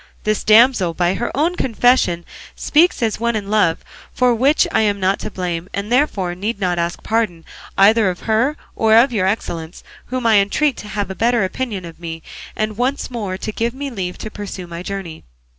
This damsel by her own confession speaks as one in love, for which I am not to blame, and therefore need not ask pardon, either of her or of your excellence, whom I entreat to have a better opinion of me, and once more to give me leave to pursue my journey."